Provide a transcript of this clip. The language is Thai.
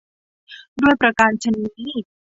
ด้วยประการฉะนี้